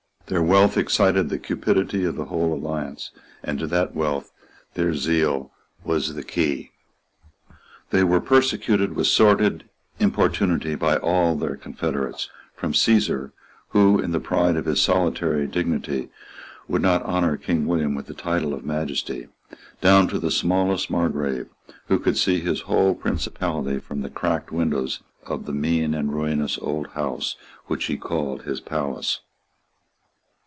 Their wealth excited the cupidity of the whole alliance; and to that wealth their zeal was the key. They were persecuted with sordid importunity by all their confederates, from Caesar, who, in the pride of his solitary dignity, would not honour King William with the title of Majesty, down to the smallest Margrave who could see his whole principality from the cracked windows of the mean and ruinous old house which he called his palace.